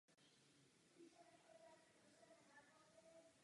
Lid ať sám použije svůj rozum ve svůj prospěch.